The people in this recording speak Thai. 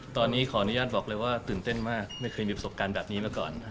ตอนนี้ขออนุญาตบอกเลยว่าตื่นเต้นมากไม่เคยมีประสบการณ์แบบนี้มาก่อน